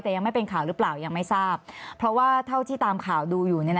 แต่ยังไม่เป็นข่าวหรือเปล่ายังไม่ทราบเพราะว่าเท่าที่ตามข่าวดูอยู่